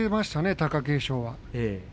貴景勝は。